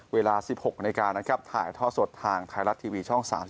เวลา๑๖นาฬิกานะครับถ่ายท่อสดทางไทยรัฐทีวีช่อง๓๒